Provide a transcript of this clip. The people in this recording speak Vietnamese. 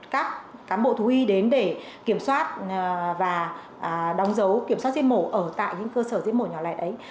các cán bộ thú y đến để kiểm soát và đóng dấu kiểm soát giết mổ ở tại những cơ sở giết mổ nhỏ lẻ ấy